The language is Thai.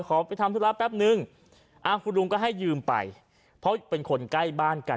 ไปทำธุระแป๊บนึงคุณลุงก็ให้ยืมไปเพราะเป็นคนใกล้บ้านกัน